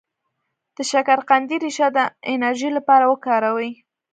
د شکرقندي ریښه د انرژی لپاره وکاروئ